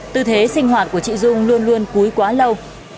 tư thế sinh hoạt của chị dung luôn luôn cúi quá lâu